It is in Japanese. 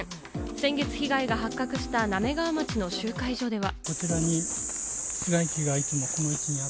先月、被害が発覚した滑川町の集会所では。